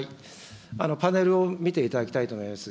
パネルを見ていただきたいと思います。